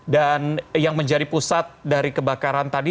dan yang menjadi pusat dari kebakaran tadi